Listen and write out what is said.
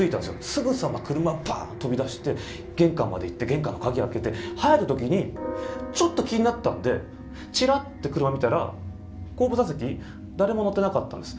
すぐさま車、ばって飛び出して玄関まで行って玄関の鍵を開けて入る時にちょっと気になったのでちらっと車を見たら後部座席誰も乗ってなかったんです。